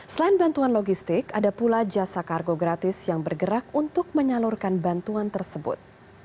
selain bantuan logistik ada pula jasa kargo gratis yang bergerak untuk menyalurkan bantuan tersebut